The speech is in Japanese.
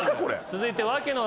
続いて。